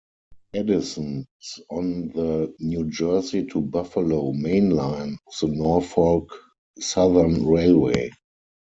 Addison is on the New Jersey-to-Buffalo Main Line of the Norfolk Southern Railway.